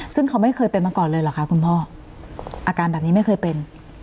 ซึ่งเขาไม่เคยเป็นมาก่อนเลยเหรอคะคุณพ่ออาการแบบนี้ไม่เคยเป็น